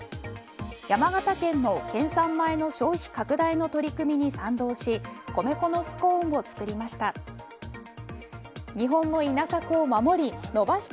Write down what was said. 山形県の県産米の消費拡大の取り組みに賛同し米粉のスコーンを作りました。